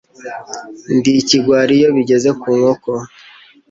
Ndi ikigwari iyo bigeze ku nkoko.